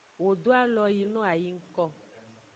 Wo do alo yi no a yi ngko.